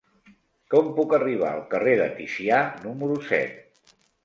Com puc arribar al carrer de Ticià número set?